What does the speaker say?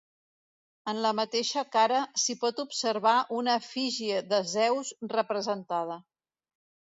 En la mateixa cara s’hi pot observar una efígie de Zeus representada.